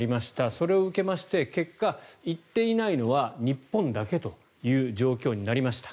それを受けまして結果、行っていないのは日本だけという状況になりました。